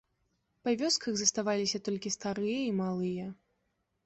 Па вёсках заставаліся толькі старыя і малыя.